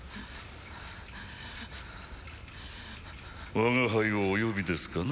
我が輩をお呼びですかな？